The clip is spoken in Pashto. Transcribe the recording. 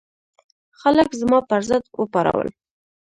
خلک زما پر ضد وپارول.